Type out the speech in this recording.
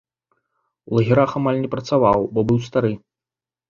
У лагерах амаль не працаваў, бо быў стары.